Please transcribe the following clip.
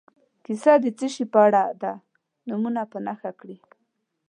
کیسه د څه شي په اړه ده نومونه په نښه کړي.